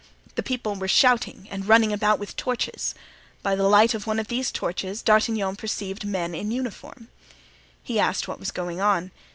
The people were shouting and running about with torches. By the light of one of these torches D'Artagnan perceived men in uniform. He asked what was going on.